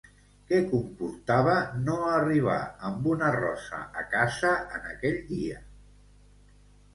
Què comportava no arribar amb una rosa a casa en aquell dia?